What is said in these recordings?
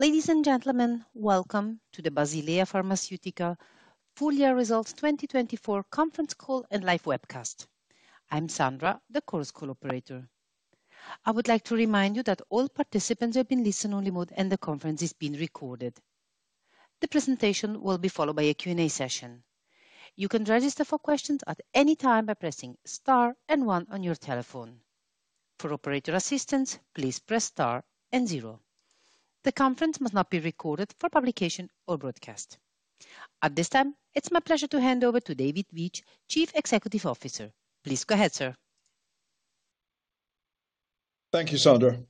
Ladies and gentlemen, welcome to the Basilea Pharmaceutica Full Year Results 2024 Conference Call and Live Webcast. I'm Sandra, the Chorus call operator. I would like to remind you that all participants have been placed in listen-only mode, and the conference is being recorded. The presentation will be followed by a Q&A session. You can register for questions at any time by pressing star and one on your telephone. For operator assistance, please press star and zero. The conference must not be recorded for publication or broadcast. At this time, it's my pleasure to hand over to David Veitch, Chief Executive Officer. Please go ahead, sir. Thank you, Sandra.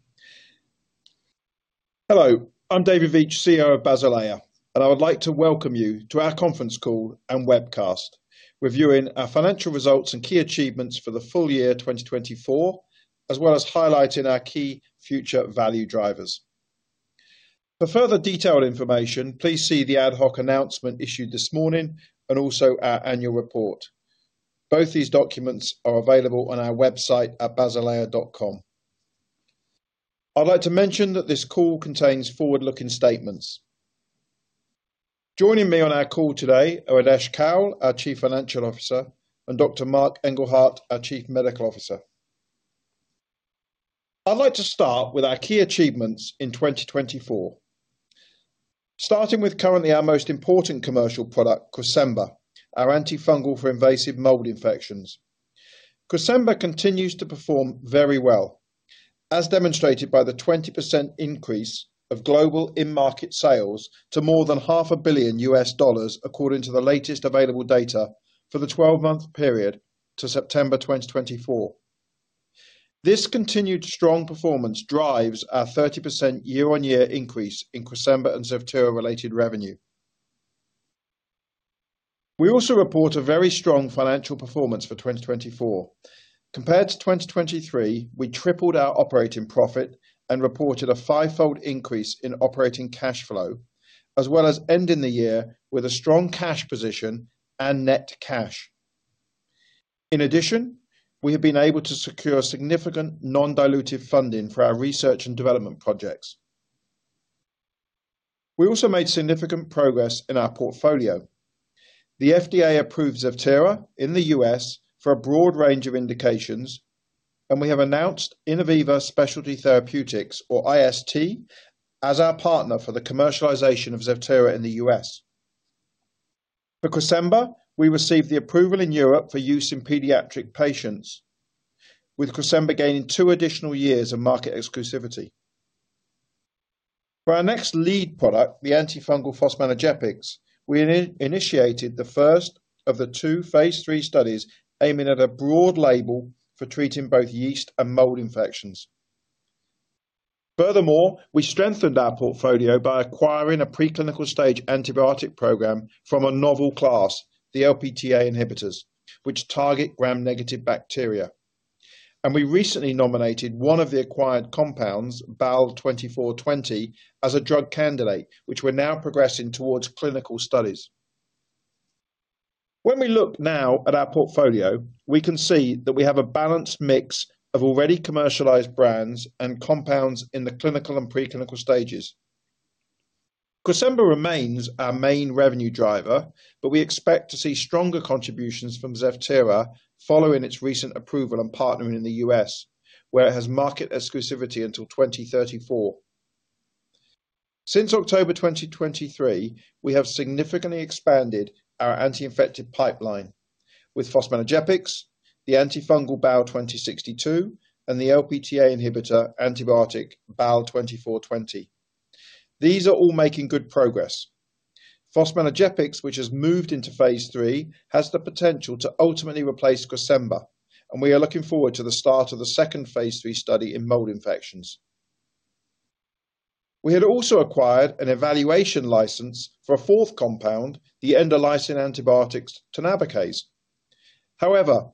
Hello, I'm David Veitch, CEO of Basilea, and I would like to welcome you to our conference call and webcast, reviewing our financial results and key achievements for the full year 2024, as well as highlighting our key future value drivers. For further detailed information, please see the ad hoc announcement issued this morning and also our annual report. Both these documents are available on our website at basilea.com. I'd like to mention that this call contains forward-looking statements. Joining me on our call today are Adesh Kaul, our Chief Financial Officer, and Dr. Marc Engelhardt, our Chief Medical Officer. I'd like to start with our key achievements in 2024, starting with currently our most important commercial product, Cresemba, our antifungal for invasive mold infections. Cresemba continues to perform very well, as demonstrated by the 20% increase of global in-market sales to more than $500 million, according to the latest available data for the 12-month period to September 2024. This continued strong performance drives our 30% year-on-year increase in Cresemba and Zevtera-related revenue. We also report a very strong financial performance for 2024. Compared to 2023, we tripled our operating profit and reported a five-fold increase in operating cash flow, as well as ending the year with a strong cash position and net cash. In addition, we have been able to secure significant non-dilutive funding for our research and development projects. We also made significant progress in our portfolio. The FDA approves Zevtera in the U.S. for a broad range of indications, and we have announced Innoviva Specialty Therapeutics, or IST, as our partner for the commercialization of Zevtera in the U.S. For Cresemba, we received the approval in Europe for use in pediatric patients, with Cresemba gaining two additional years of market exclusivity. For our next lead product, the antifungal fosmanogepix, we initiated the first of the two phase 3 studies aiming at a broad label for treating both yeast and mold infections. Furthermore, we strengthened our portfolio by acquiring a preclinical stage antibiotic program from a novel class, the LptA inhibitors, which target Gram-negative bacteria, and we recently nominated one of the acquired compounds, BAL2420, as a drug candidate, which we're now progressing towards clinical studies. When we look now at our portfolio, we can see that we have a balanced mix of already commercialized brands and compounds in the clinical and preclinical stages. Cresemba remains our main revenue driver, but we expect to see stronger contributions from Zevtera following its recent approval and partnering in the U.S., where it has market exclusivity until 2034. Since October 2023, we have significantly expanded our anti-infective pipeline with fosmanogepix, the antifungal BAL2062, and the LptA inhibitor antibiotic BAL2420. These are all making good progress. Fosmanogepix, which has moved into phase three, has the potential to ultimately replace Cresemba, and we are looking forward to the start of the second phase three study in mold infections. We had also acquired an evaluation license for a fourth compound, the endolysin antibiotic tonabacase. However,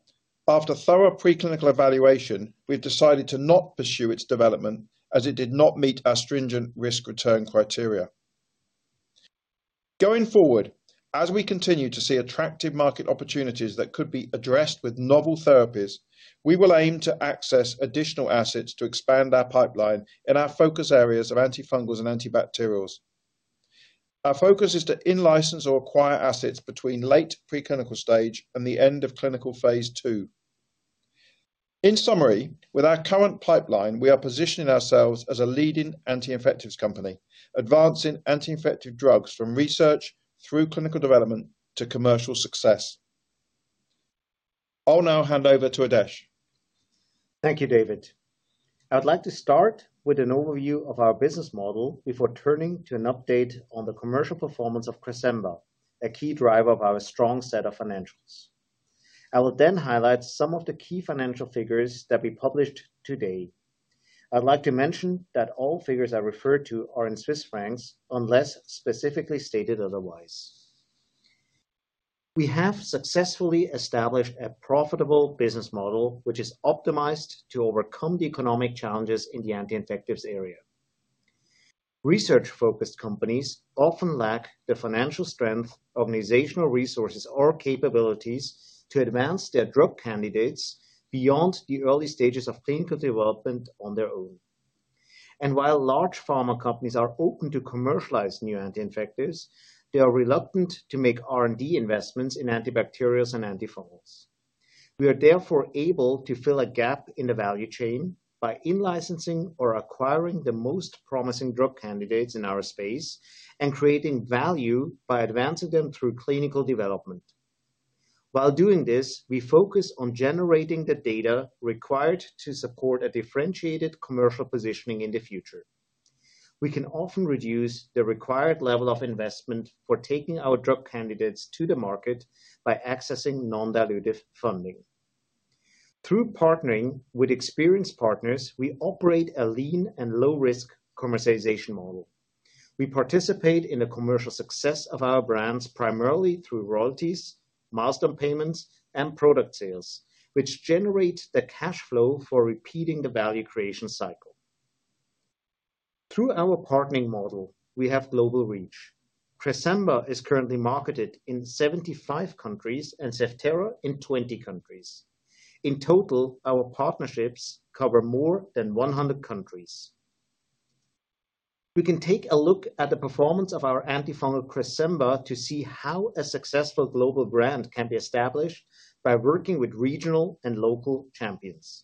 after thorough preclinical evaluation, we've decided to not pursue its development as it did not meet our stringent risk-return criteria. Going forward, as we continue to see attractive market opportunities that could be addressed with novel therapies, we will aim to access additional assets to expand our pipeline in our focus areas of antifungals and antibacterials. Our focus is to in-license or acquire assets between late preclinical stage and the end of clinical phase two. In summary, with our current pipeline, we are positioning ourselves as a leading anti-infectious company, advancing anti-infective drugs from research through clinical development to commercial success. I'll now hand over to Adesh. Thank you, David. I'd like to start with an overview of our business model before turning to an update on the commercial performance of Cresemba, a key driver of our strong set of financials. I will then highlight some of the key financial figures that we published today. I'd like to mention that all figures I refer to are in Swiss francs unless specifically stated otherwise. We have successfully established a profitable business model which is optimized to overcome the economic challenges in the anti-infectious area. Research-focused companies often lack the financial strength, organizational resources, or capabilities to advance their drug candidates beyond the early stages of clinical development on their own. While large pharma companies are open to commercialize new anti-infectives, they are reluctant to make R&D investments in antibacterials and antifungals. We are therefore able to fill a gap in the value chain by in-licensing or acquiring the most promising drug candidates in our space and creating value by advancing them through clinical development. While doing this, we focus on generating the data required to support a differentiated commercial positioning in the future. We can often reduce the required level of investment for taking our drug candidates to the market by accessing non-dilutive funding. Through partnering with experienced partners, we operate a lean and low-risk commercialization model. We participate in the commercial success of our brands primarily through royalties, milestone payments, and product sales, which generate the cash flow for repeating the value creation cycle. Through our partnering model, we have global reach. Cresemba is currently marketed in 75 countries and Zevtera in 20 countries. In total, our partnerships cover more than 100 countries. We can take a look at the performance of our antifungal Cresemba to see how a successful global brand can be established by working with regional and local champions.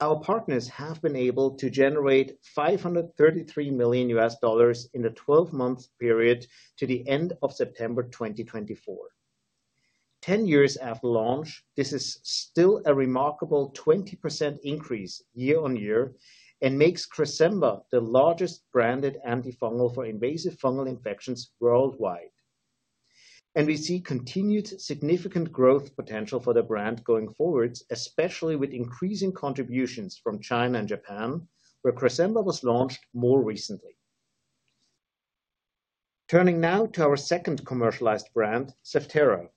Our partners have been able to generate $533 million in a 12-month period to the end of September 2024. Ten years after launch, this is still a remarkable 20% increase year-on-year and makes Cresemba the largest branded antifungal for invasive fungal infections worldwide. We see continued significant growth potential for the brand going forward, especially with increasing contributions from China and Japan, where Cresemba was launched more recently. Turning now to our second commercialized brand, Zevtera.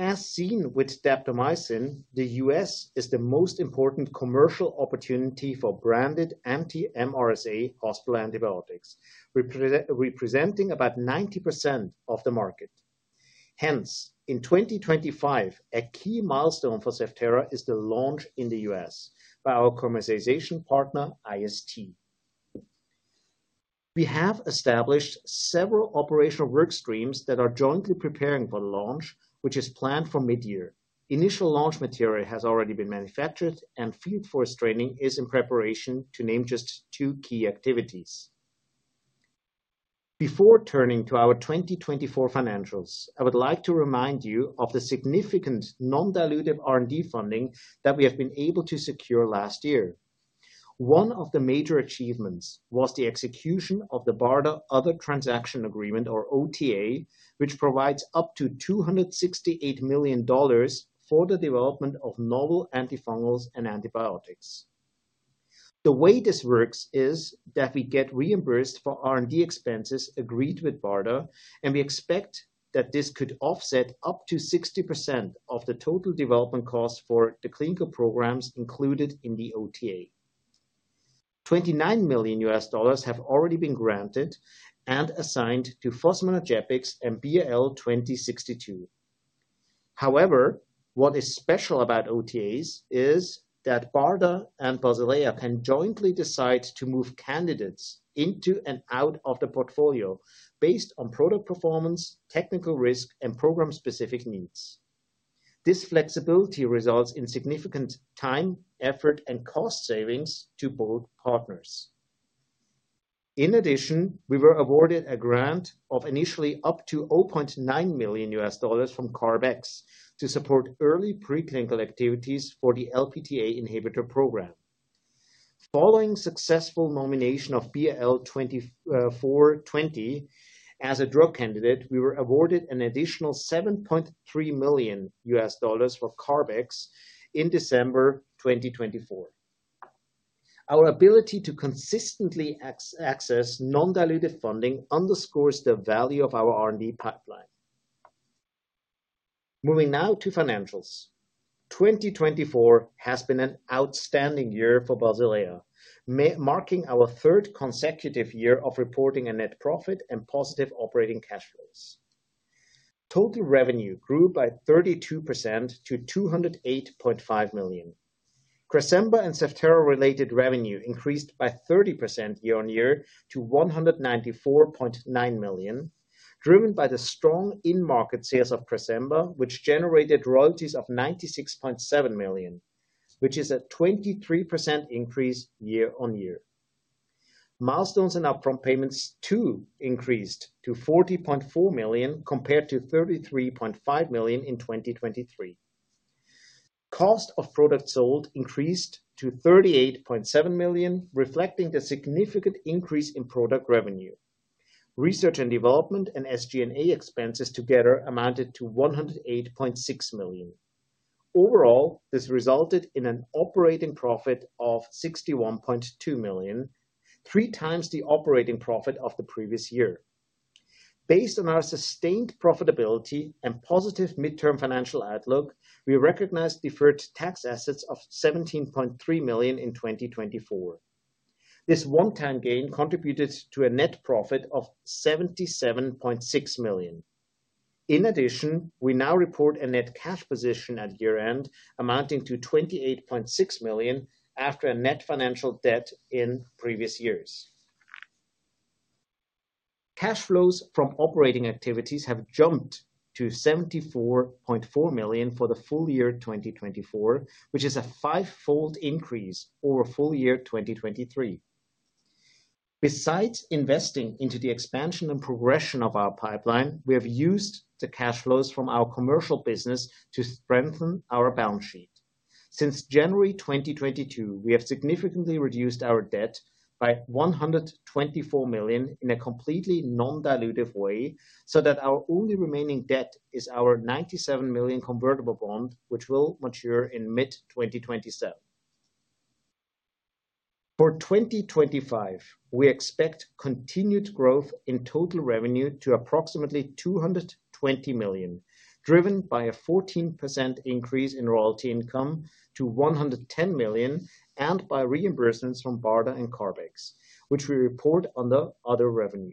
As seen with daptomycin, the U.S. is the most important commercial opportunity for branded anti-MRSA hospital antibiotics, representing about 90% of the market. Hence, in 2025, a key milestone for Zevtera is the launch in the U.S. by our commercialization partner, IST. We have established several operational work streams that are jointly preparing for launch, which is planned for mid-year. Initial launch material has already been manufactured, and field force training is in preparation to name just two key activities. Before turning to our 2024 financials, I would like to remind you of the significant non-dilutive R&D funding that we have been able to secure last year. One of the major achievements was the execution of the BARDA Other Transaction Agreement, or OTA, which provides up to $268 million for the development of novel antifungals and antibiotics. The way this works is that we get reimbursed for R&D expenses agreed with BARDA, and we expect that this could offset up to 60% of the total development cost for the clinical programs included in the OTA. $29 million have already been granted and assigned to Fosmanogepix and BAL2062. However, what is special about OTAs is that BARDA and Basilea can jointly decide to move candidates into and out of the portfolio based on product performance, technical risk, and program-specific needs. This flexibility results in significant time, effort, and cost savings to both partners. In addition, we were awarded a grant of initially up to $0.9 million from CARB-X to support early preclinical activities for the LptA inhibitor program. Following successful nomination of BAL2420 as a drug candidate, we were awarded an additional $7.3 million for CARB-X in December 2024. Our ability to consistently access non-dilutive funding underscores the value of our R&D pipeline. Moving now to financials. 2024 has been an outstanding year for Basilea, marking our third consecutive year of reporting a net profit and positive operating cash flows. Total revenue grew by 32% to $208.5 million. Cresemba and Zevtera-related revenue increased by 30% year-on-year to $194.9 million, driven by the strong in-market sales of Cresemba, which generated royalties of $96.7 million, which is a 23% increase year-on-year. Milestones in our prompt payments too increased to $40.4 million compared to $33.5 million in 2023. Cost of product sold increased to $38.7 million, reflecting the significant increase in product revenue. Research and development and SG&A expenses together amounted to $108.6 million. Overall, this resulted in an operating profit of $61.2 million, three times the operating profit of the previous year. Based on our sustained profitability and positive midterm financial outlook, we recognized deferred tax assets of $17.3 million in 2024. This one-time gain contributed to a net profit of $77.6 million. In addition, we now report a net cash position at year-end amounting to $28.6 million after a net financial debt in previous years. Cash flows from operating activities have jumped to $74.4 million for the full year 2024, which is a five-fold increase over full year 2023. Besides investing into the expansion and progression of our pipeline, we have used the cash flows from our commercial business to strengthen our balance sheet. Since January 2022, we have significantly reduced our debt by $124 million in a completely non-dilutive way so that our only remaining debt is our $97 million convertible bond, which will mature in mid-2027. For 2025, we expect continued growth in total revenue to approximately $220 million, driven by a 14% increase in royalty income to $110 million and by reimbursements from BARDA and CARB-X, which we report under other revenue.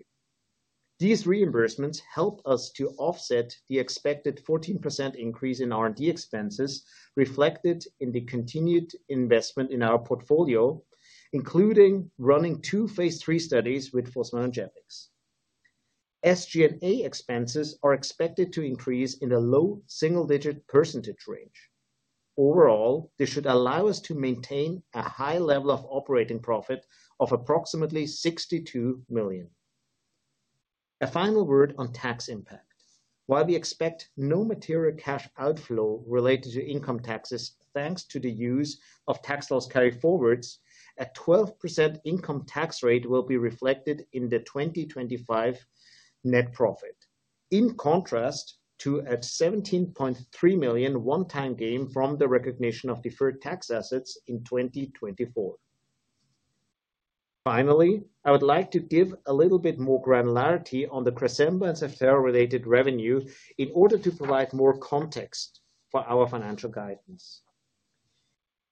These reimbursements help us to offset the expected 14% increase in R&D expenses reflected in the continued investment in our portfolio, including running two phase three studies with fosmanogepix. SG&A expenses are expected to increase in a low single-digit percentage range. Overall, this should allow us to maintain a high level of operating profit of approximately $62 million. A final word on tax impact. While we expect no material cash outflow related to income taxes thanks to the use of tax loss carry forwards, a 12% income tax rate will be reflected in the 2025 net profit, in contrast to a $17.3 million one-time gain from the recognition of deferred tax assets in 2024. Finally, I would like to give a little bit more granularity on the Cresemba and Zevtera-related revenue in order to provide more context for our financial guidance.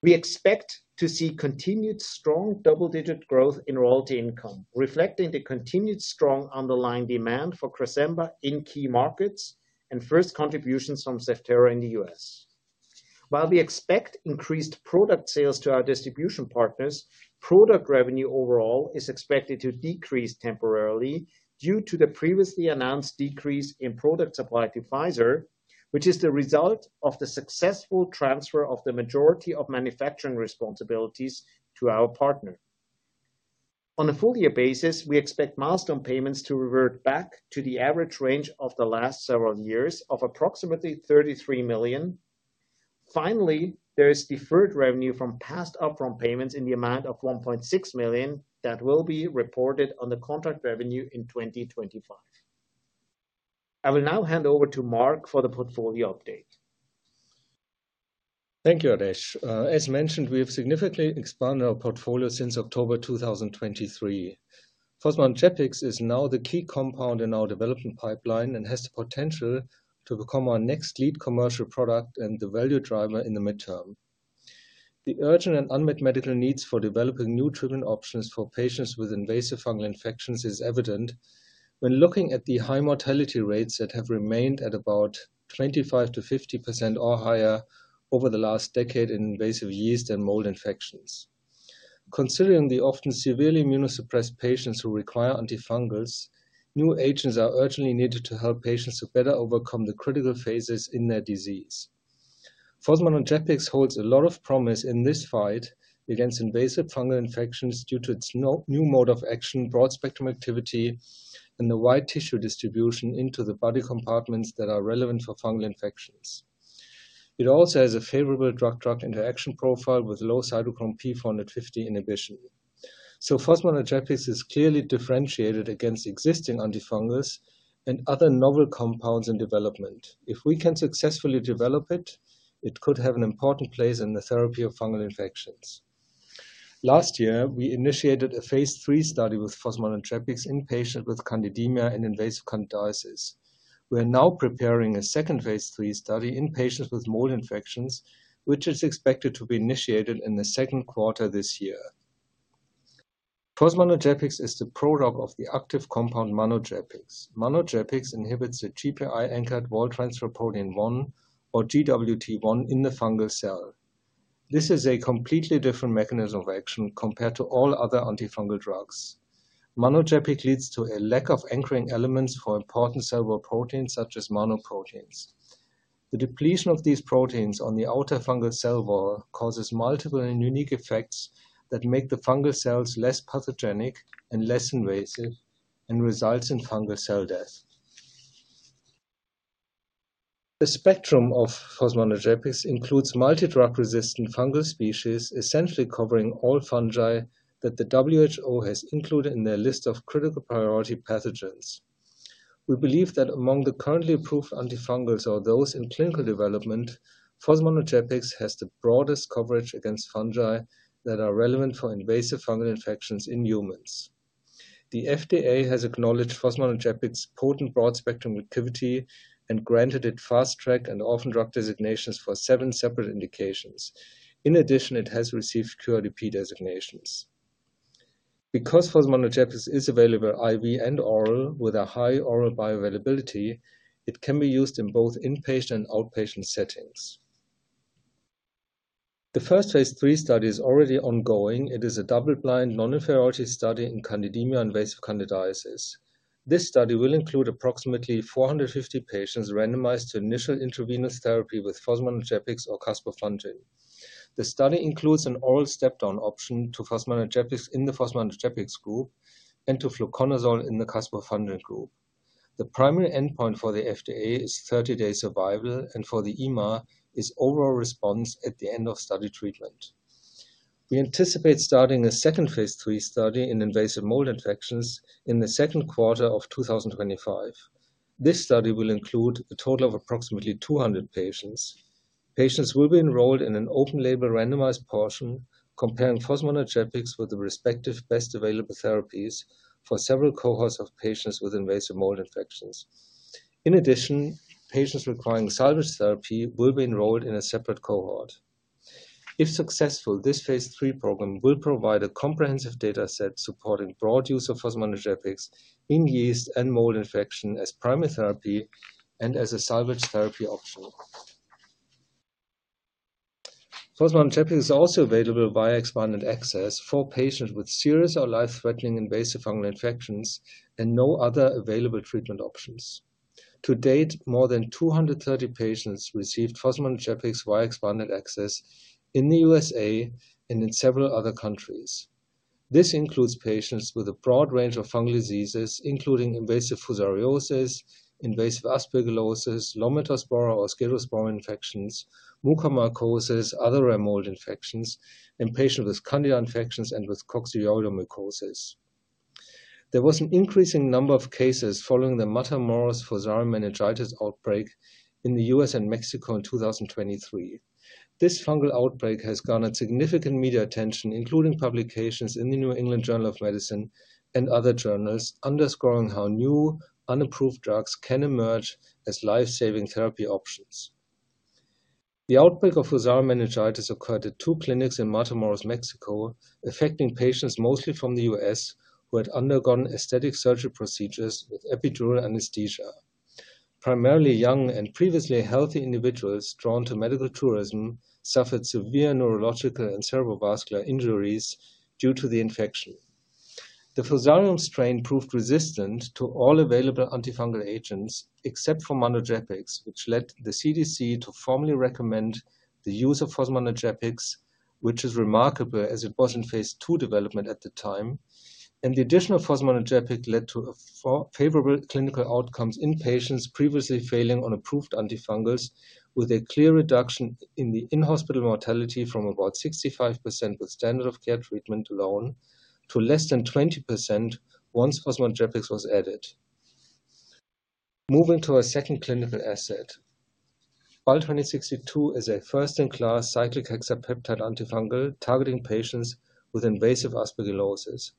We expect to see continued strong double-digit growth in royalty income, reflecting the continued strong underlying demand for Cresemba in key markets and first contributions from Zevtera in the U.S. While we expect increased product sales to our distribution partners, product revenue overall is expected to decrease temporarily due to the previously announced decrease in product supply to Pfizer, which is the result of the successful transfer of the majority of manufacturing responsibilities to our partner. On a full-year basis, we expect milestone payments to revert back to the average range of the last several years of approximately $33 million. Finally, there is deferred revenue from past upfront payments in the amount of $1.6 million that will be reported under contract revenue in 2025. I will now hand over to Marc for the portfolio update. Thank you, Adesh. As mentioned, we have significantly expanded our portfolio since October 2023. Fosmanogepix is now the key compound in our development pipeline and has the potential to become our next lead commercial product and the value driver in the midterm. The urgent and unmet medical needs for developing new treatment options for patients with invasive fungal infections is evident when looking at the high mortality rates that have remained at about 25%-50% or higher over the last decade in invasive yeast and mold infections. Considering the often severely immunosuppressed patients who require antifungals, new agents are urgently needed to help patients to better overcome the critical phases in their disease. Fosmanogepix holds a lot of promise in this fight against invasive fungal infections due to its new mode of action, broad-spectrum activity, and the wide tissue distribution into the body compartments that are relevant for fungal infections. It also has a favorable drug-drug interaction profile with low cytochrome P450 inhibition. So Fosmanogepix is clearly differentiated against existing antifungals and other novel compounds in development. If we can successfully develop it, it could have an important place in the therapy of fungal infections. Last year, we initiated a phase three study with Fosmanogepix in patients with candidemia and invasive candidiasis. We are now preparing a second phase three study in patients with mold infections, which is expected to be initiated in the second quarter this year. Fosmanogepix is the product of the active compound manogepix. Manogepix inhibits the GPI-anchored wall transfer protein 1, or GWT1, in the fungal cell. This is a completely different mechanism of action compared to all other antifungal drugs. manogepix leads to a lack of anchoring elements for important cell wall proteins such as mannoproteins. The depletion of these proteins on the outer fungal cell wall causes multiple and unique effects that make the fungal cells less pathogenic and less invasive and results in fungal cell death. The spectrum of Fosmanogepix includes multi-drug-resistant fungal species, essentially covering all fungi that the WHO has included in their list of critical priority pathogens. We believe that among the currently approved antifungals or those in clinical development, Fosmanogepix has the broadest coverage against fungi that are relevant for invasive fungal infections in humans. The FDA has acknowledged Fosmanogepix's potent broad-spectrum activity and granted it fast track and orphan drug designations for seven separate indications. In addition, it has received QIDP designations. Because fosmanogepix is available IV and oral with a high oral bioavailability, it can be used in both inpatient and outpatient settings. The first phase 3 study is already ongoing. It is a double-blind non-inferiority study in candidemia and invasive candidiasis. This study will include approximately 450 patients randomized to initial intravenous therapy with fosmanogepix or caspofungin. The study includes an oral step-down option to fosmanogepix in the fosmanogepix group and to fluconazole in the caspofungin group. The primary endpoint for the FDA is 30-day survival, and for the EMA is overall response at the end of study treatment. We anticipate starting a second phase 3 study in invasive mold infections in the second quarter of 2025. This study will include a total of approximately 200 patients. Patients will be enrolled in an open-label randomized portion comparing Fosmanogepix with the respective best available therapies for several cohorts of patients with invasive mold infections. In addition, patients requiring salvage therapy will be enrolled in a separate cohort. If successful, this phase three program will provide a comprehensive data set supporting broad use of Fosmanogepix in yeast and mold infection as primary therapy and as a salvage therapy option. Fosmanogepix is also available via expanded access for patients with serious or life-threatening invasive fungal infections and no other available treatment options. To date, more than 230 patients received Fosmanogepix via expanded access in the USA and in several other countries. This includes patients with a broad range of fungal diseases, including invasive fusariosis, invasive aspergillosis, Lomentospora or Scedosporium infections, mucormycosis, other rare mold infections, and patients with Candida infections and with coccidioidomycosis. There was an increasing number of cases following the Matamoros Fusarium meningitis outbreak in the U.S. and Mexico in 2023. This fungal outbreak has garnered significant media attention, including publications in the New England Journal of Medicine and other journals, underscoring how new unapproved drugs can emerge as life-saving therapy options. The outbreak of Fusarium meningitis occurred at two clinics in Matamoros, Mexico, affecting patients mostly from the U.S. who had undergone aesthetic surgery procedures with epidural anesthesia. Primarily young and previously healthy individuals drawn to medical tourism suffered severe neurological and cerebrovascular injuries due to the infection. The Fusarium strain proved resistant to all available antifungal agents except for Manogepix, which led the CDC to formally recommend the use of Fosmanogepix, which is remarkable as it was in Phase II development at the time. The additional Fosmanogepix led to favorable clinical outcomes in patients previously failing on approved antifungals, with a clear reduction in the in-hospital mortality from about 65% with standard of care treatment alone to less than 20% once Fosmanogepix was added. Moving to our second clinical asset, BAL2062 is a first-in-class cyclic hexapeptide antifungal targeting patients with invasive aspergillosis.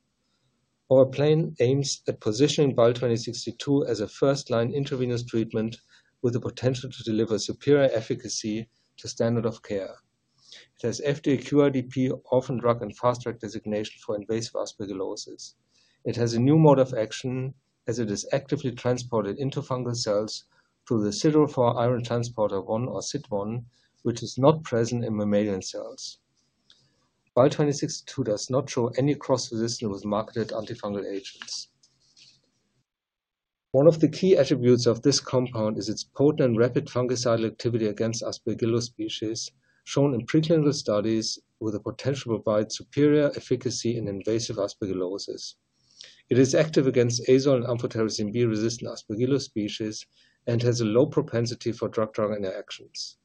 Our plan aims at positioning BAL2062 as a first-line intravenous treatment with the potential to deliver superior efficacy to standard of care. It has FDA QIDP, orphan drug and fast track designation for invasive aspergillosis. It has a new mode of action as it is actively transported into fungal cells through the siderophore iron transporter one or SIT1, which is not present in mammalian cells. BAL2062 does not show any cross-resistance with marketed antifungal agents. One of the key attributes of this compound is its potent and rapid fungicidal activity against Aspergillus species, shown in preclinical studies, with the potential to provide superior efficacy in invasive aspergillosis. It is active against azole and amphotericin B-resistant Aspergillus species and has a low propensity for drug-drug interactions.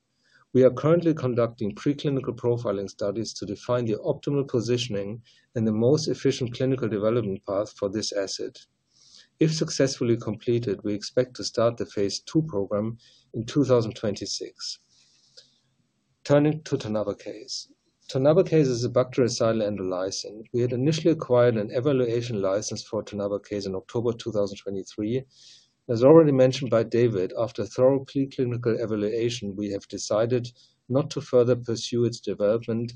We are currently conducting preclinical profiling studies to define the optimal positioning and the most efficient clinical development path for this asset. If successfully completed, we expect to start the phase two program in 2026. Turning to Tonabacase. Tonabacase is a bactericidal endolysin. We had initially acquired an evaluation license for Tonabacase in October 2023. As already mentioned by David, after thorough preclinical evaluation, we have decided not to further pursue its development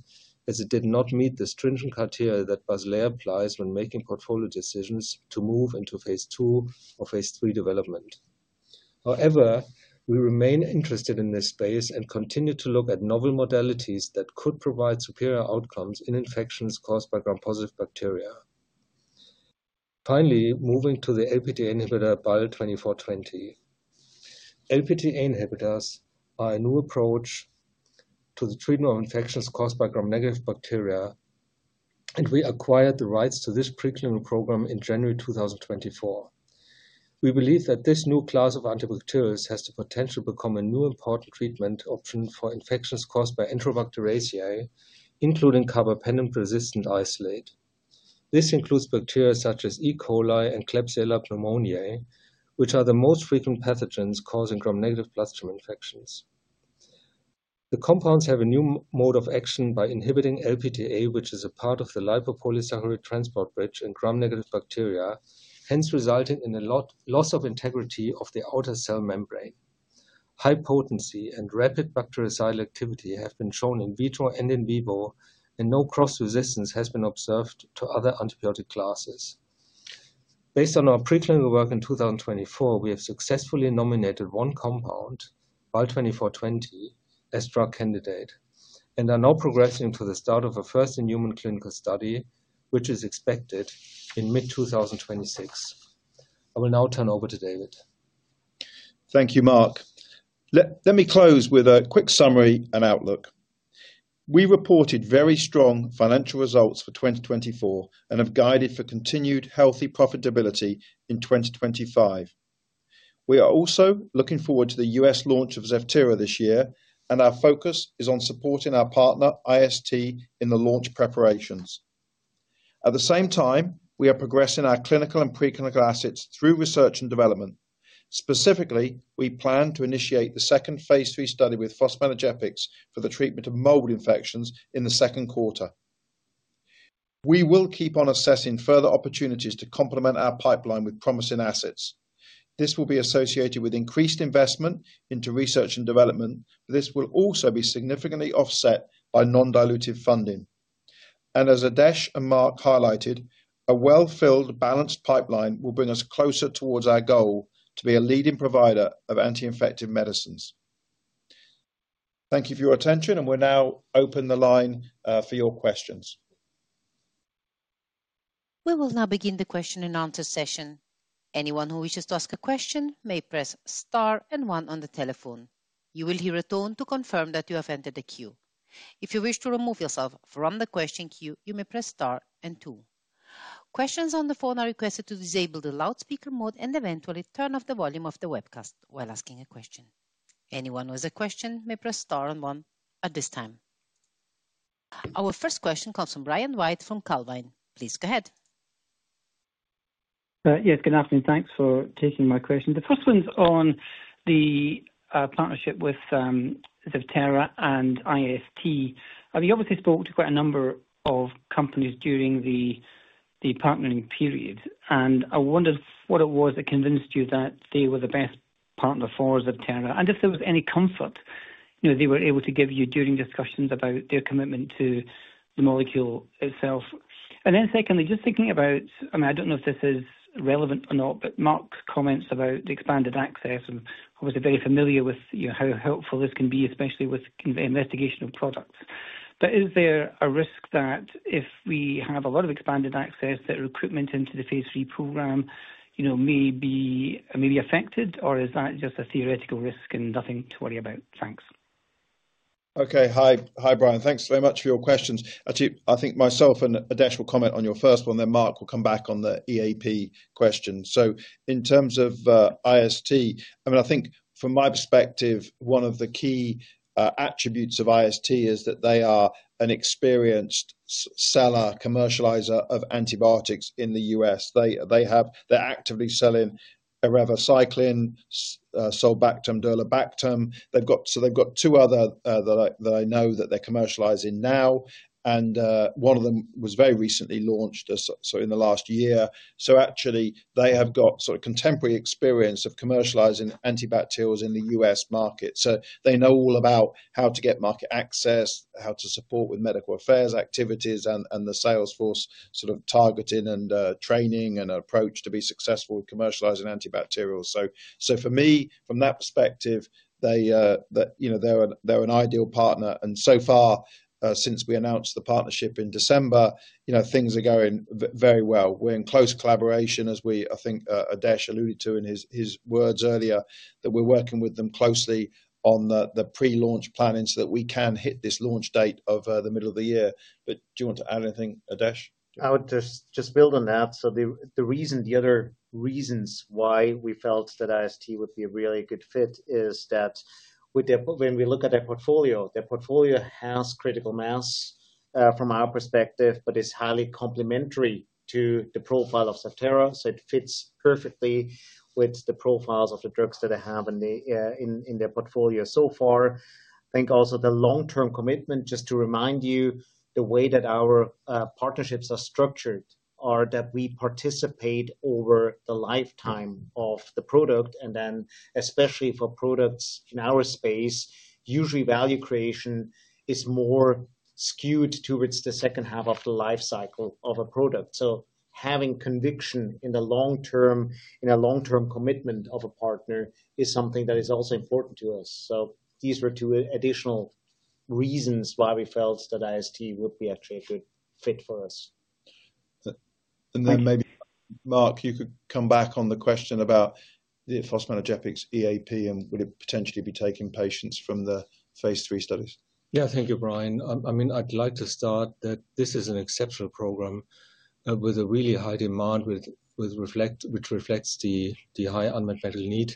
as it did not meet the stringent criteria that Basilea applies when making portfolio decisions to move into phase two or phase three development. However, we remain interested in this space and continue to look at novel modalities that could provide superior outcomes in infections caused by Gram-positive bacteria. Finally, moving to the LptA inhibitor BAL2420. LptA inhibitors are a new approach to the treatment of infections caused by Gram-negative bacteria, and we acquired the rights to this preclinical program in January 2024. We believe that this new class of antibacterials has the potential to become a new important treatment option for infections caused by Enterobacteriaceae, including carbapenem-resistant isolates. This includes bacteria such as E. coli and Klebsiella pneumoniae, which are the most frequent pathogens causing Gram-negative bloodstream infections. The compounds have a new mode of action by inhibiting LptA, which is a part of the lipopolysaccharide transport bridge in Gram-negative bacteria, hence resulting in a loss of integrity of the outer cell membrane. High potency and rapid bactericidal activity have been shown in vitro and in vivo, and no cross-resistance has been observed to other antibiotic classes. Based on our preclinical work in 2024, we have successfully nominated one compound, BAL2420, as drug candidate and are now progressing to the start of a first-in-human clinical study, which is expected in mid-2026. I will now turn over to David. Thank you, Marc. Let me close with a quick summary and outlook. We reported very strong financial results for 2024 and have guided for continued healthy profitability in 2025. We are also looking forward to the U.S. launch of Zevtera this year, and our focus is on supporting our partner, IST, in the launch preparations. At the same time, we are progressing our clinical and preclinical assets through research and development. Specifically, we plan to initiate the second phase three study with fosmanogepix for the treatment of mold infections in the second quarter. We will keep on assessing further opportunities to complement our pipeline with promising assets. This will be associated with increased investment into research and development, but this will also be significantly offset by non-dilutive funding. As Adesh and Marc highlighted, a well-filled, balanced pipeline will bring us closer towards our goal to be a leading provider of anti-infective medicines. Thank you for your attention, and we'll now open the line for your questions. We will now begin the question and answer session. Anyone who wishes to ask a question may press star and one on the telephone. You will hear a tone to confirm that you have entered the queue. If you wish to remove yourself from the question queue, you may press star and two. Questions on the phone are requested to disable the loudspeaker mode and eventually turn off the volume of the webcast while asking a question. Anyone with a question may press star and one at this time. Our first question comes from Brian White from Calvine. Please go ahead. Yes, good afternoon. Thanks for taking my question. The first one's on the partnership with Zevtera and IST. We obviously spoke to quite a number of companies during the partnering period, and I wondered what it was that convinced you that they were the best partner for Zevtera and if there was any comfort they were able to give you during discussions about their commitment to the molecule itself. And then secondly, just thinking about, I mean, I don't know if this is relevant or not, but Marc's comments about the expanded access, and obviously very familiar with how helpful this can be, especially with investigational products. But is there a risk that if we have a lot of expanded access, that recruitment into the phase three program may be affected, or is that just a theoretical risk and nothing to worry about? Thanks. Okay. Hi, Brian. Thanks very much for your questions. Actually, I think myself and Adesh will comment on your first one, then Marc will come back on the EAP question. So in terms of IST, I mean, I think from my perspective, one of the key attributes of IST is that they are an experienced seller, commercializer of antibiotics in the U.S. They're actively selling Eravacycline, sulbactam-durlobactam. So they've got two other that I know that they're commercializing now, and one of them was very recently launched, so in the last year. So actually, they have got sort of contemporary experience of commercializing antibacterials in the U.S. market. So they know all about how to get market access, how to support with medical affairs activities, and the salesforce sort of targeting and training and approach to be successful with commercializing antibacterials. So for me, from that perspective, they're an ideal partner. And so far, since we announced the partnership in December, things are going very well. We're in close collaboration, as I think Adesh alluded to in his words earlier, that we're working with them closely on the pre-launch planning so that we can hit this launch date of the middle of the year. But do you want to add anything, Adesh? I would just build on that. So the reason, the other reasons why we felt that IST would be a really good fit is that when we look at their portfolio, their portfolio has critical mass from our perspective, but it's highly complementary to the profile of Zevtera. So it fits perfectly with the profiles of the drugs that they have in their portfolio so far. I think also the long-term commitment, just to remind you, the way that our partnerships are structured are that we participate over the lifetime of the product. And then especially for products in our space, usually value creation is more skewed towards the second half of the life cycle of a product. So having conviction in the long-term, in a long-term commitment of a partner is something that is also important to us. So these were two additional reasons why we felt that IST would be actually a good fit for us. And then maybe Marc, you could come back on the question about the fosmanogepix EAP and would it potentially be taking patients from the phase three studies? Yeah, thank you, Brian. I mean, I'd like to start that this is an exceptional program with a really high demand, which reflects the high unmet medical need.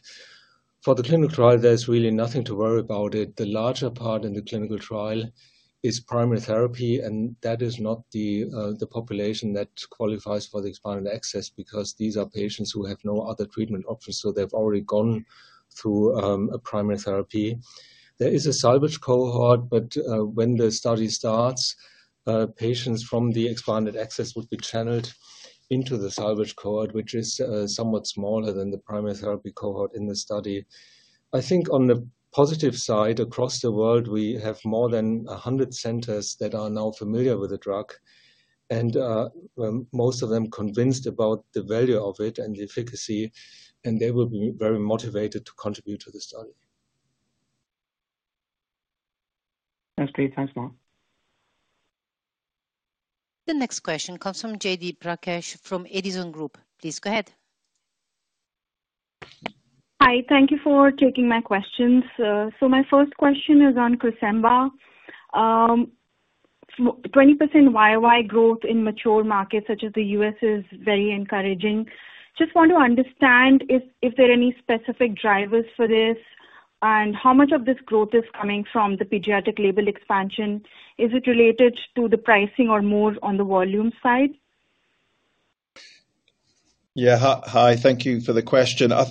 For the clinical trial, there's really nothing to worry about it. The larger part in the clinical trial is primary therapy, and that is not the population that qualifies for the expanded access because these are patients who have no other treatment options, so they've already gone through a primary therapy. There is a salvage cohort, but when the study starts, patients from the expanded access would be channeled into the salvage cohort, which is somewhat smaller than the primary therapy cohort in the study. I think on the positive side, across the world, we have more than 100 centers that are now familiar with the drug, and most of them convinced about the value of it and the efficacy, and they will be very motivated to contribute to the study. Okay, thanks, Marc. The next question comes from Jyoti Prakash from Edison Group. Please go ahead. Hi, thank you for taking my questions. So my first question is on Cresemba. 20% YY growth in mature markets such as the U.S. is very encouraging. Just want to understand if there are any specific drivers for this and how much of this growth is coming from the pediatric label expansion. Is it related to the pricing or more on the volume side? Yeah, hi, thank you for the question. I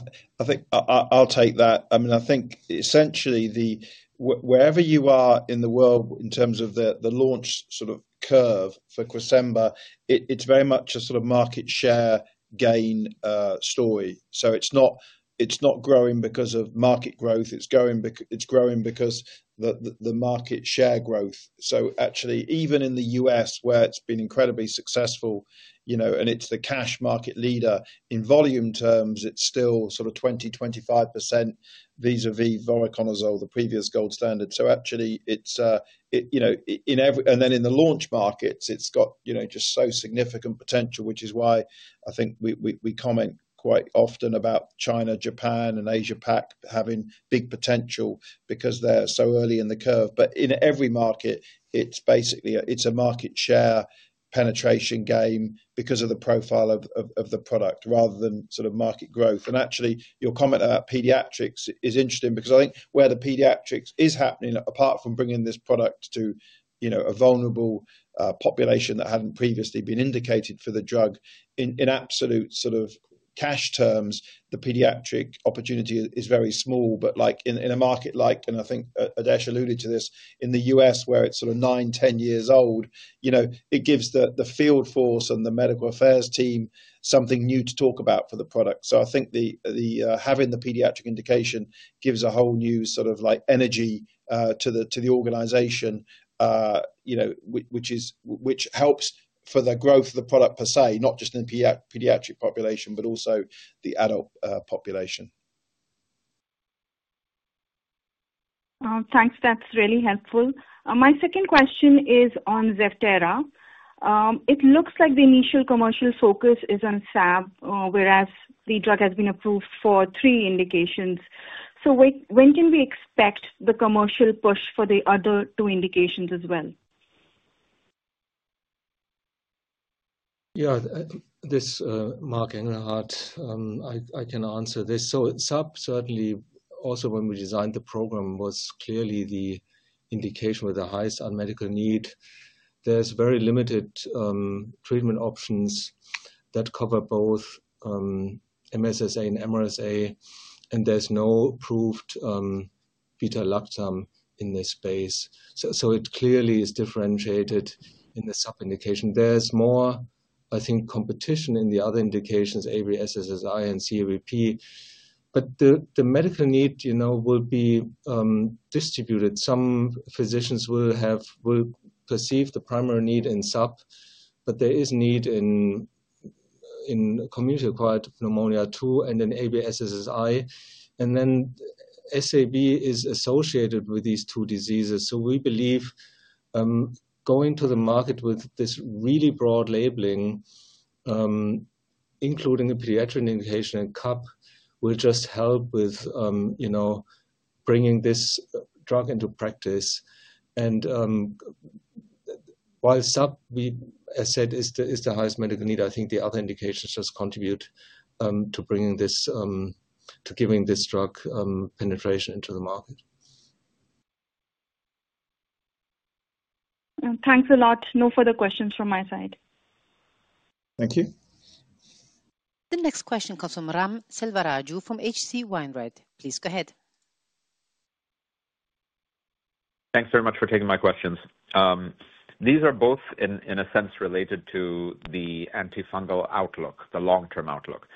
think I'll take that. I mean, I think essentially wherever you are in the world in terms of the launch sort of curve for Cresemba, it's very much a sort of market share gain story. So it's not growing because of market growth. It's growing because the market share growth. So actually, even in the U.S., where it's been incredibly successful, and it's the class market leader in volume terms, it's still sort of 20%-25% vis-à-vis voriconazole, the previous gold standard. So actually, and then in the launch markets, it's got just so significant potential, which is why I think we comment quite often about China, Japan, and Asia-Pac having big potential because they're so early in the curve. But in every market, it's basically a market share penetration game because of the profile of the product rather than sort of market growth. And actually, your comment about pediatrics is interesting because I think where the pediatrics is happening, apart from bringing this product to a vulnerable population that hadn't previously been indicated for the drug, in absolute sort of cash terms, the pediatric opportunity is very small. But in a market like, and I think Adesh alluded to this, in the U.S., where it's sort of nine, 10 years old, it gives the field force and the medical affairs team something new to talk about for the product. So I think having the pediatric indication gives a whole new sort of energy to the organization, which helps for the growth of the product per se, not just in the pediatric population, but also the adult population. Thanks. That's really helpful. My second question is on Zevtera. It looks like the initial commercial focus is on SAB, whereas the drug has been approved for three indications. So when can we expect the commercial push for the other two indications as well? Yeah, this is Marc Engelhardt. I can answer this. So SAB, certainly, also when we designed the program, was clearly the indication with the highest unmet medical need. There's very limited treatment options that cover both MSSA and MRSA, and there's no approved beta-lactam in this space. So it clearly is differentiated in the SAB indication. There's more, I think, competition in the other indications, ABSSSI and CABP. But the medical need will be distributed. Some physicians will perceive the primary need in SAB, but there is need in community-acquired pneumonia too and in ABSSSI. And then SAB is associated with these two diseases. So we believe going to the market with this really broad labeling, including a pediatric indication and CUP, will just help with bringing this drug into practice. While SAB, as I said, is the highest medical need, I think the other indications just contribute to giving this drug penetration into the market. Thanks a lot. No further questions from my side. Thank you. The next question comes from Ram Selvaraju from H.C. Wainwright. Please go ahead. Thanks very much for taking my questions. These are both, in a sense, related to the antifungal outlook, the long-term outlook.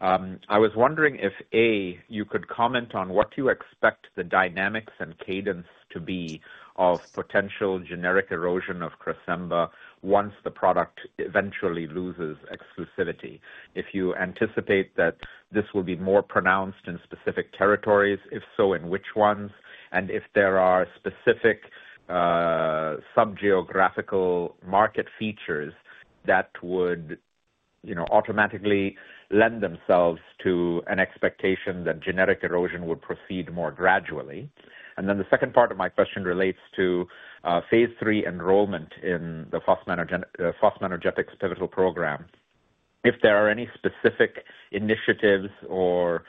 I was wondering if, A, you could comment on what you expect the dynamics and cadence to be of potential generic erosion of Cresemba once the product eventually loses exclusivity. If you anticipate that this will be more pronounced in specific territories, if so, in which ones? And if there are specific sub-geographical market features that would automatically lend themselves to an expectation that generic erosion would proceed more gradually. And then the second part of my question relates to phase 3 enrollment in the Fosmanogepix Pivotal Program. If there are any specific initiatives or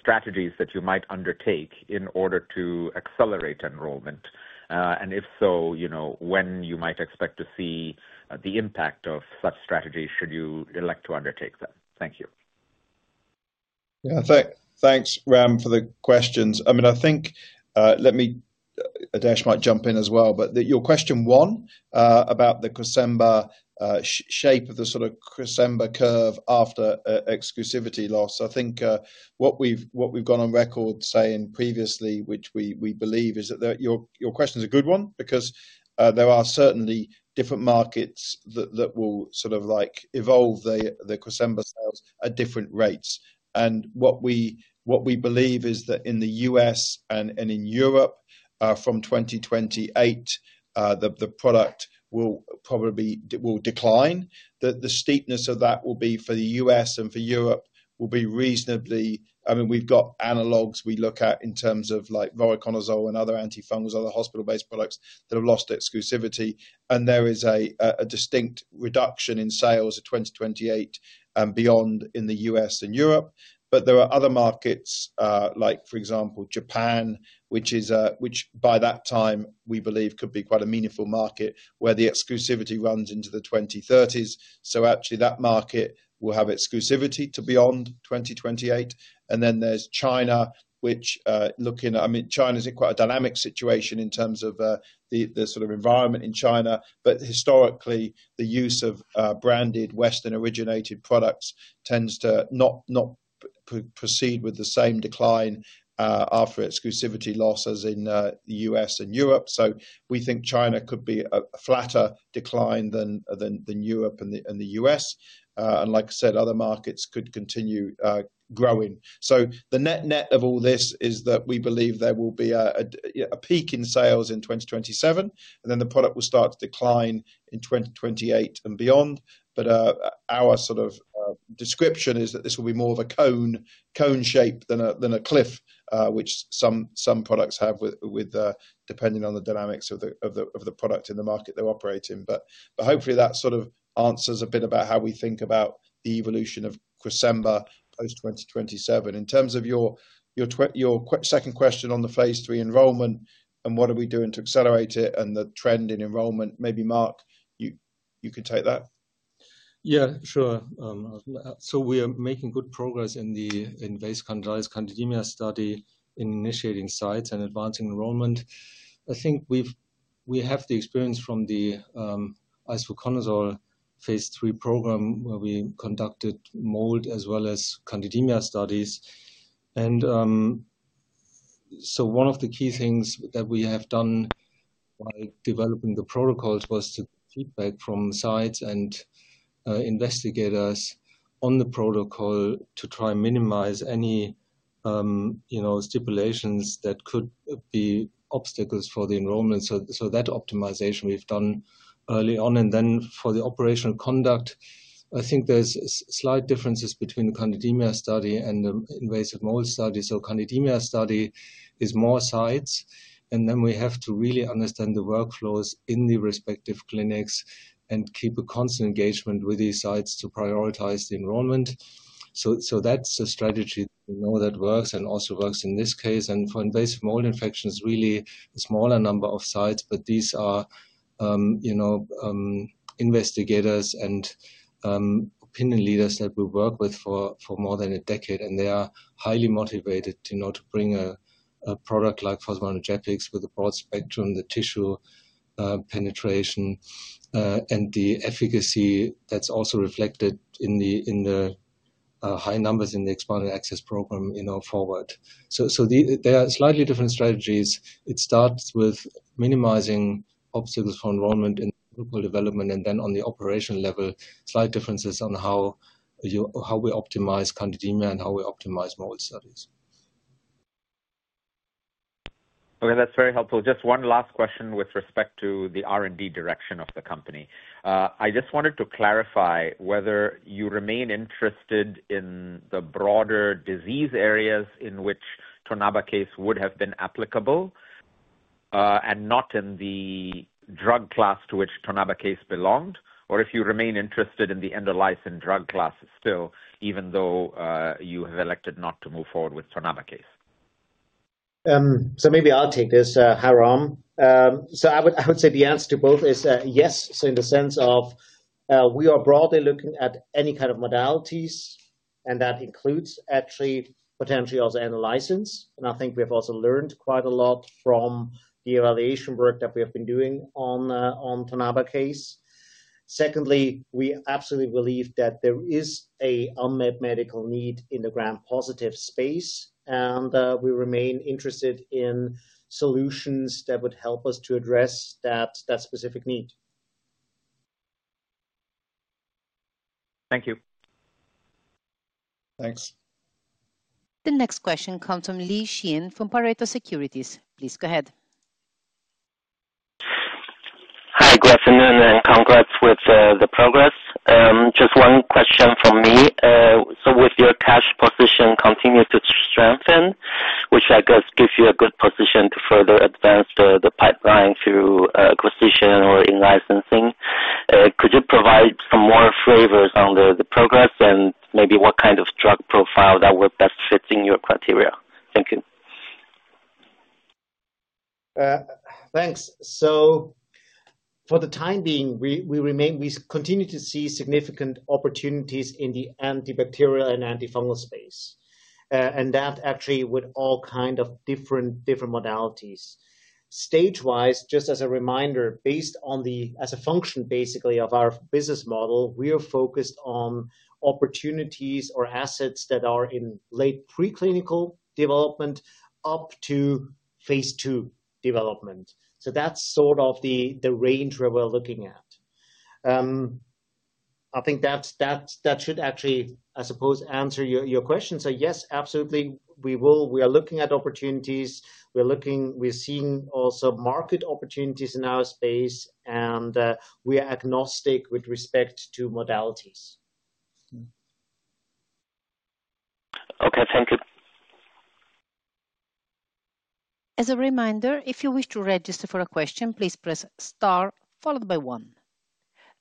strategies that you might undertake in order to accelerate enrollment, and if so, when you might expect to see the impact of such strategies should you elect to undertake them. Thank you. Yeah, thanks, Ram, for the questions. I mean, I think let me Adesh might jump in as well, but your question one about the Cresemba shape of the sort of Cresemba curve after exclusivity loss. I think what we've gone on record saying previously, which we believe, is that your question is a good one because there are certainly different markets that will sort of evolve the Cresemba sales at different rates. And what we believe is that in the U.S. and in Europe, from 2028, the product will decline. The steepness of that will be for the U.S. and for Europe will be reasonably. I mean, we've got analogs we look at in terms of Voriconazole and other antifungals or other hospital-based products that have lost exclusivity. And there is a distinct reduction in sales in 2028 and beyond in the U.S. and Europe. but there are other markets, like for example, Japan, which by that time, we believe, could be quite a meaningful market where the exclusivity runs into the 2030s. so actually, that market will have exclusivity to beyond 2028. and then there's China, which looking at I mean, China is in quite a dynamic situation in terms of the sort of environment in China. but historically, the use of branded Western-originated products tends to not proceed with the same decline after exclusivity loss as in the U.S. and Europe. so we think China could be a flatter decline than Europe and the U.S. and like I said, other markets could continue growing. so the net of all this is that we believe there will be a peak in sales in 2027, and then the product will start to decline in 2028 and beyond. But our sort of description is that this will be more of a cone shape than a cliff, which some products have depending on the dynamics of the product in the market they're operating in. But hopefully, that sort of answers a bit about how we think about the evolution of Cresemba post-2027. In terms of your second question on the phase three enrollment and what are we doing to accelerate it and the trend in enrollment, maybe Marc, you could take that. Yeah, sure. So we are making good progress in the invasive candidiasis candidemia study in initiating sites and advancing enrollment. I think we have the experience from the isavuconazole phase 3 program where we conducted mold as well as candidemia studies. And so one of the key things that we have done while developing the protocols was to get feedback from sites and investigators on the protocol to try and minimize any stipulations that could be obstacles for the enrollment. So that optimization we've done early on. And then for the operational conduct, I think there's slight differences between the candidemia study and the invasive mold study. So candidemia study is more sites, and then we have to really understand the workflows in the respective clinics and keep a constant engagement with these sites to prioritize the enrollment. So that's the strategy that we know works and also works in this case. And for invasive mold infections, really a smaller number of sites, but these are investigators and opinion leaders that we work with for more than a decade, and they are highly motivated to bring a product like fosmanogepix with a broad spectrum, the tissue penetration, and the efficacy that's also reflected in the high numbers in the expanded access program forward. So there are slightly different strategies. It starts with minimizing obstacles for enrollment in clinical development, and then on the operational level, slight differences on how we optimize candidemia and how we optimize mold studies. Okay, that's very helpful. Just one last question with respect to the R&D direction of the company. I just wanted to clarify whether you remain interested in the broader disease areas in which Tonabacase would have been applicable and not in the drug class to which Tonabacase belonged, or if you remain interested in the endolysin drug class still, even though you have elected not to move forward with Tonabacase. Maybe I'll take this, Ram. I would say the answer to both is yes. In the sense of we are broadly looking at any kind of modalities, and that includes actually potentially also endolysins. I think we have also learned quite a lot from the evaluation work that we have been doing on Tonabacase. Secondly, we absolutely believe that there is an unmet medical need in the gram-positive space, and we remain interested in solutions that would help us to address that specific need. Thank you. Thanks. The next question comes from Xian Deng from Pareto Securities. Please go ahead. Hi, good afternoon, and congrats with the progress. Just one question from me. So with your cash position continuing to strengthen, which I guess gives you a good position to further advance the pipeline through acquisition or in-licensing, could you provide some more flavors on the progress and maybe what kind of drug profile that would best fit in your criteria? Thank you. Thanks, so for the time being, we continue to see significant opportunities in the antibacterial and antifungal space, and that actually with all kinds of different modalities. Stage-wise, just as a reminder, based on the function basically of our business model, we are focused on opportunities or assets that are in late preclinical development up to phase two development, so that's sort of the range we're looking at. I think that should actually, I suppose, answer your question, so yes, absolutely, we are looking at opportunities. We're seeing also market opportunities in our space, and we are agnostic with respect to modalities. Okay, thank you. As a reminder, if you wish to register for a question, please press star followed by one.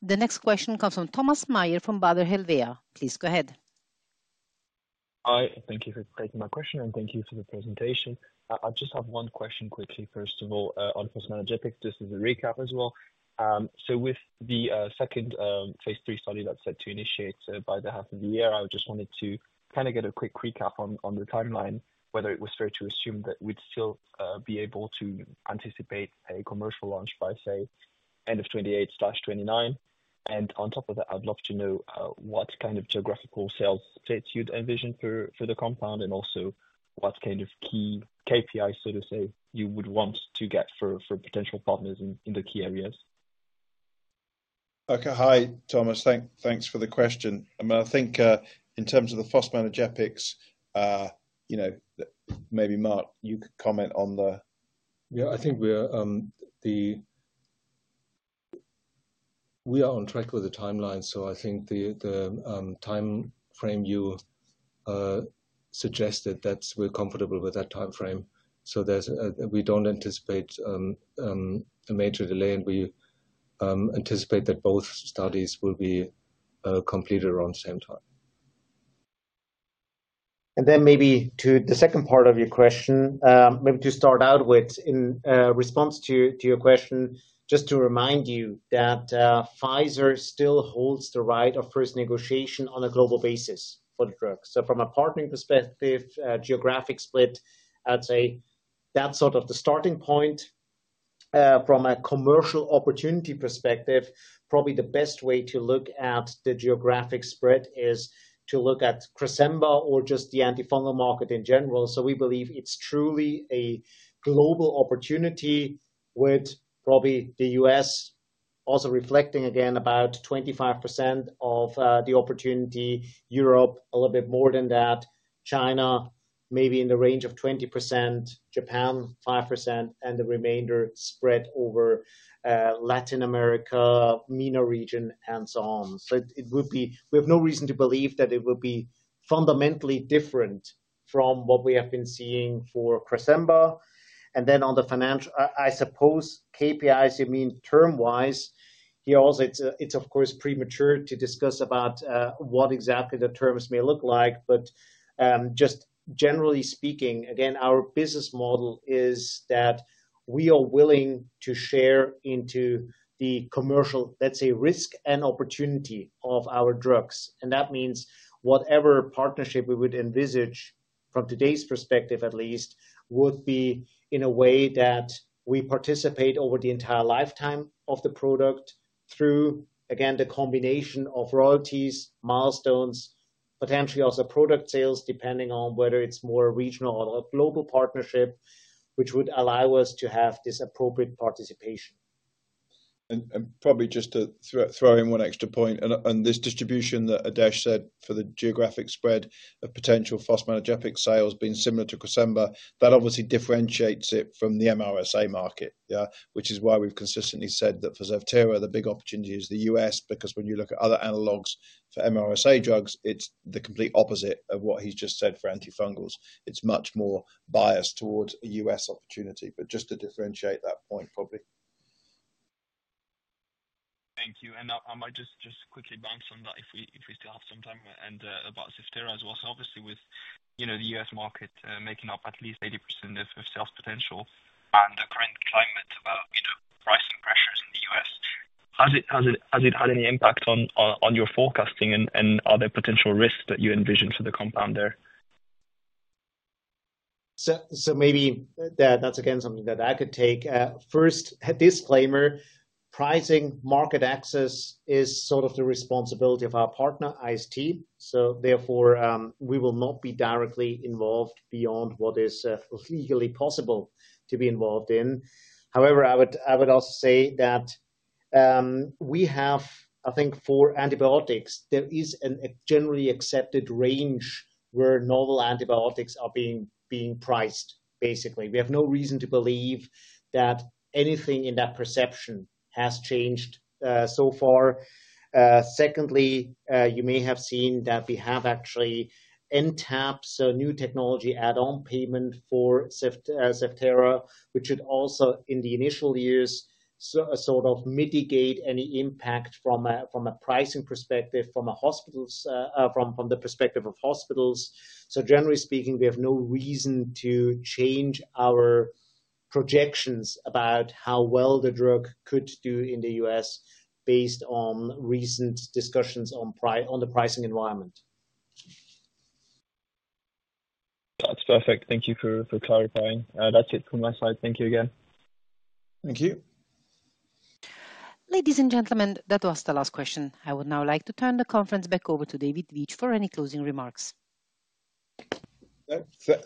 The next question comes from Thomas Maeder from Baader Helvea. Please go ahead. Hi, thank you for taking my question, and thank you for the presentation. I just have one question quickly. First of all, on Fosmanogepix, just as a recap as well. So with the second phase 3 study that's set to initiate by the half of the year, I just wanted to kind of get a quick recap on the timeline, whether it was fair to assume that we'd still be able to anticipate a commercial launch by, say, end of 2028-2029. And on top of that, I'd love to know what kind of geographical sales states you'd envision for the compound and also what kind of key KPIs, so to say, you would want to get for potential partners in the key areas. Okay, hi, Thomas. Thanks for the question. I mean, I think in terms of the fosmanogepix, maybe Marc, you could comment on the. Yeah, I think we are on track with the timeline. So I think the time frame you suggested, we're comfortable with that time frame. So we don't anticipate a major delay, and we anticipate that both studies will be completed around the same time. And then maybe to the second part of your question, maybe to start out with, in response to your question, just to remind you that Pfizer still holds the right of first negotiation on a global basis for the drug. So from a partnering perspective, geographic split, I'd say that's sort of the starting point. From a commercial opportunity perspective, probably the best way to look at the geographic spread is to look at Cresemba or just the antifungal market in general. So we believe it's truly a global opportunity with probably the US also reflecting again about 25% of the opportunity, Europe, a little bit more than that, China, maybe in the range of 20%, Japan, 5%, and the remainder spread over Latin America, MENA region, and so on. So we have no reason to believe that it would be fundamentally different from what we have been seeing for Cresemba. And then on the financial, I suppose KPIs, you mean term-wise, here also, it's of course premature to discuss about what exactly the terms may look like. But just generally speaking, again, our business model is that we are willing to share into the commercial, let's say, risk and opportunity of our drugs. And that means whatever partnership we would envisage from today's perspective, at least, would be in a way that we participate over the entire lifetime of the product through, again, the combination of royalties, milestones, potentially also product sales, depending on whether it's more regional or a global partnership, which would allow us to have this appropriate participation. Probably just to throw in one extra point, on this distribution that Adesh said for the geographic spread of potential Fosmanogepix sales being similar to Cresemba, that obviously differentiates it from the MRSA market, which is why we've consistently said that for Zevtera, the big opportunity is the U.S., because when you look at other analogs for MRSA drugs, it's the complete opposite of what he's just said for antifungals. It's much more biased towards a U.S. opportunity. But just to differentiate that point, probably. Thank you. And I might just quickly bounce on that if we still have some time and about Zevtera as well. So obviously, with the U.S. market making up at least 80% of sales potential and the current climate about pricing pressures in the U.S., has it had any impact on your forecasting and other potential risks that you envision for the compound there? Maybe that's again something that I could take. First, a disclaimer, pricing market access is sort of the responsibility of our partner, IST. Therefore, we will not be directly involved beyond what is legally possible to be involved in. However, I would also say that we have, I think, for antibiotics, there is a generally accepted range where novel antibiotics are being priced, basically. We have no reason to believe that anything in that perception has changed so far. Secondly, you may have seen that we have actually NTAP, so new technology add-on payment for Zevtera, which should also, in the initial years, sort of mitigate any impact from a pricing perspective, from the perspective of hospitals. Generally speaking, we have no reason to change our projections about how well the drug could do in the U.S. based on recent discussions on the pricing environment. That's perfect. Thank you for clarifying. That's it from my side. Thank you again. Thank you. Ladies and gentlemen, that was the last question. I would now like to turn the conference back over to David Veitch for any closing remarks.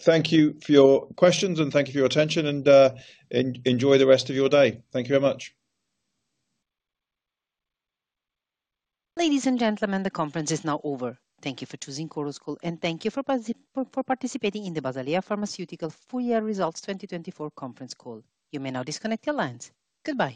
Thank you for your questions, and thank you for your attention, and enjoy the rest of your day. Thank you very much. Ladies and gentlemen, the conference is now over. Thank you for choosing Chorus Call, and thank you for participating in the Basilea Pharmaceutica Full-Year Results 2024 Conference Call. You may now disconnect your lines. Goodbye.